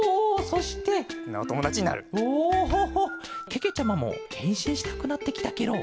けけちゃまもへんしんしたくなってきたケロ。